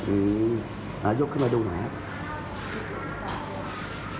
อืมอ่ายกขึ้นมาดูหน่อยครับ